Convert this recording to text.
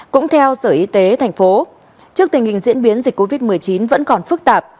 cũng theo sở y tế thành phố trước tình hình diễn biến dịch covid một mươi chín vẫn còn phức tạp